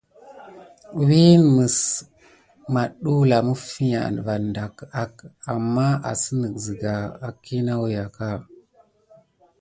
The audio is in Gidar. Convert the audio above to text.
Wine mis madulanki mifia vaŋ ka amà vas asine sika à léklole ɓa.